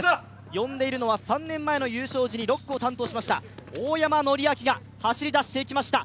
呼んでいるのは３年前の優勝時に６区を担当しました、大山憲明が走り出していきました。